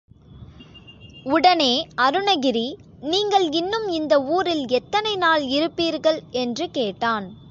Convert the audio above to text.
உடனே அருணகிரி, நீங்கள் இன்னும் இந்த ஊரில் எத்தனை நாள் இருப்பீர்கள்? என்று கேட்டான்.